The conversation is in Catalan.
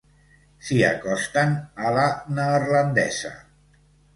S'hi acosten a la neerlandesa.